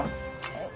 えっ？